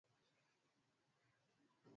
kuwacha furugu za hapa lakini kuna tishio la